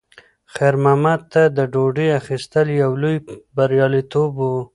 خیر محمد ته د ډوډۍ اخیستل یو لوی بریالیتوب و.